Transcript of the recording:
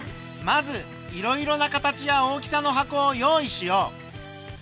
まずいろいろな形や大きさの箱を用意しよう。